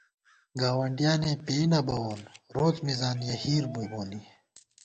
گاوَنڈیانے پېئ نہ بَوون روڅ مِزان یَہ ہِیر بُئی مونی